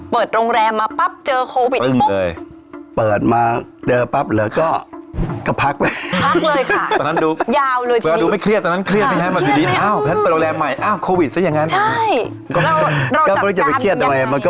เปิดโรงแรมมาปั๊บเจอโควิดปุ๊บเปิดมาเจอปั๊บเหรอก็พักเลยพักเลยค่ะ